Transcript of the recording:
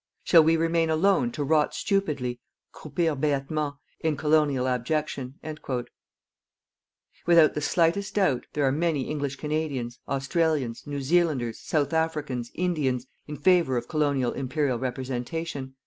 Shall we remain alone to rot stupidly (croupir béatement) in colonial abjection._" Without the slightest doubt, there are many English Canadians, Australians, New Zealanders, South Africans, Indians, in favour of Colonial Imperial representation.